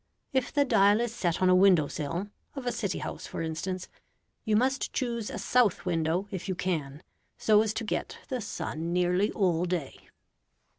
If the dial is set on a window sill (of a city house, for instance) you must choose a south window if you can, so as to get the sun nearly all day.